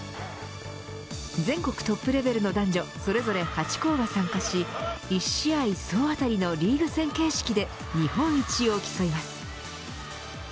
全国トップレベルの男女それぞれ８校が参加し１試合総当りのリーグ戦形式で日本一を競います。